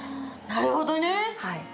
なるほどね。